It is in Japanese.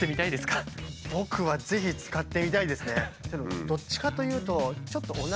僕はぜひ使ってみたいですね。